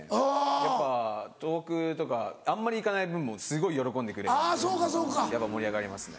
やっぱ東北とかあんまり行かない分もすごい喜んでくれるんでやっぱ盛り上がりますね。